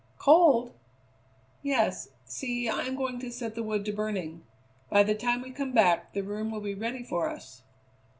"Cold?" "Yes; see, I am going to set the wood to burning. By the time we come back the room will be ready for us."